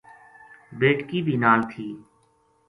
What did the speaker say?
بیٹکی بھی نال تھی۔